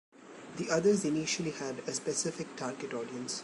The others initially had a specific target audience.